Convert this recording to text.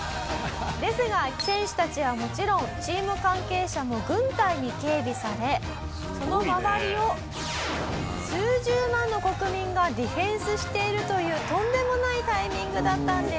ですが選手たちはもちろんチーム関係者も軍隊に警備されその周りを数十万の国民がディフェンスしているというとんでもないタイミングだったんです。